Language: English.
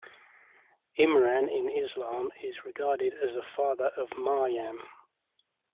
Imran in Islam is regarded as the father of Maryam.